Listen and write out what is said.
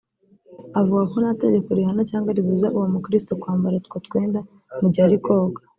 Avuga ko nta tegeko rihana cyangwa ribuza uwo mukirisitu kwambara utwo twenda mu gihe ari koga